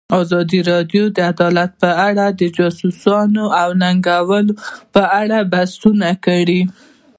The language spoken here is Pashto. ازادي راډیو د عدالت په اړه د چانسونو او ننګونو په اړه بحث کړی.